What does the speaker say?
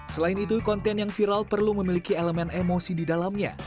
selain itu konten yang viral perlu memiliki elemen emosi di dalamnya